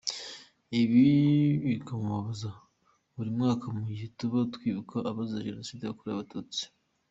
Ibi bikamubabaza buri mwaka mu gihe tuba twibuka abazize Jenoside yakorewe abatutsi.